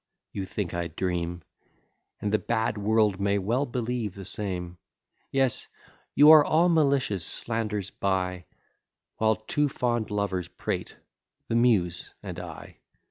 you think I dream, And the bad world may well believe the same; Yes: you are all malicious slanders by, While two fond lovers prate, the Muse and I.